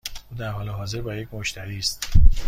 او در حال حاضر با یک مشتری است.